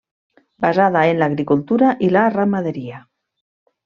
Basada en l'agricultura i la ramaderia.